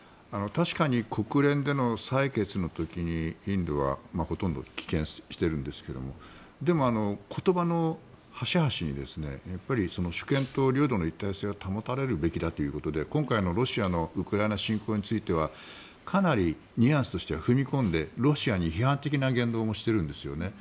確かに国連での採決の時にインドはほとんど棄権しているんですがでも、言葉の端々に主権と領土の一体性は保たれるべきだということで今回のロシアのウクライナ侵攻についてはかなりニュアンスとしては踏み込んでロシアに批判的な言動もしているんです。